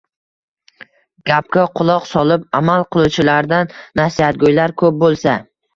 Gapga quloq solib, amal qiluvchilardan nasihatgo‘ylar ko‘p bo‘lsa